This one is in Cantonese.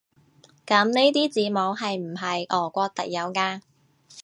噉呢啲字母係唔係俄國特有㗎？